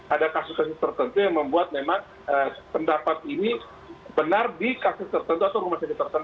ada kasus kasus tertentu yang membuat memang pendapat ini benar di kasus tertentu atau rumah sakit tertentu